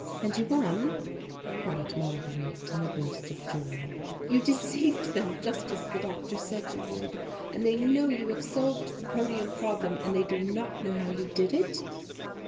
"And you won?" cried Marguerite in a burst of joy. "You deceived them just as the doctor said you would. And they know you have solved the protium problem and they do not know how you did it?"